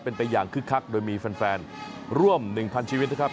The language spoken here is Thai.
เป็นไปอย่างคึกคักโดยมีแฟนร่วม๑๐๐ชีวิตนะครับ